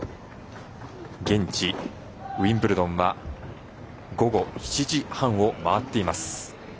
現地、ウィンブルドンは午後７時半を回っています。